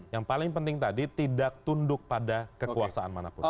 yang paling penting tadi tidak tunduk pada kekuasaan manapun